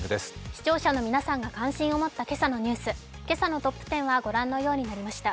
視聴者の皆さんが関心を持った今朝のニュース、今朝のトップ１０はご覧のようになりました。